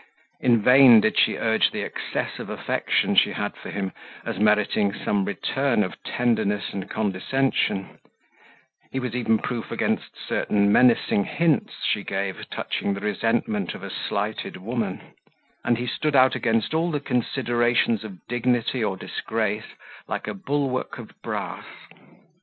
In vain did she urge the excess of affection she had for him as meriting some return of tenderness and condescension: he was even proof against certain menacing hints she gave touching the resentment of a slighted woman; and he stood out against all the considerations of dignity or disgrace like a bulwark of brass.